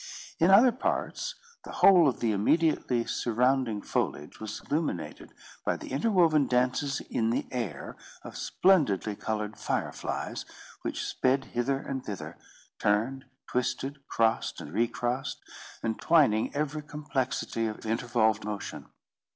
In other parts, the whole of the immediately surrounding foliage was illuminated by the interwoven dances in the air of splendidly coloured fire flies, which sped hither and thither, turned, twisted, crossed, and recrossed, entwining every complexity of intervolved motion.